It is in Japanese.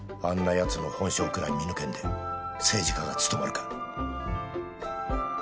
あんな奴の本性くらい見抜けんで政治家が務まるか